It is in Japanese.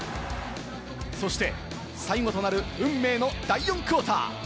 そして最後となる運命の第４クオーター。